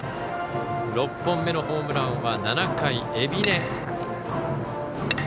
６本目のホームランは７回、海老根。